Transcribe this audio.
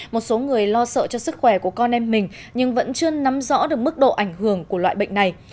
một số người lo sợ cho sức khỏe của con em mình nhưng vẫn chưa nắm rõ được mức độ ảnh hưởng của loại bệnh này